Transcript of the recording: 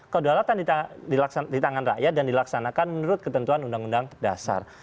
kedaulatan di tangan rakyat dan dilaksanakan menurut ketentuan undang undang dasar